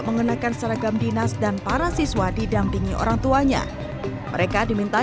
mengenakan seragam dinas dan para siswa didampingi orang tuanya mereka diminta